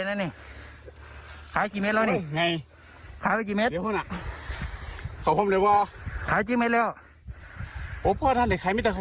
ยิงทำไมนี่ล้างเล่าภาษาด้วยมีเนี้ยเลยมีเงินอะไรเยอะจัง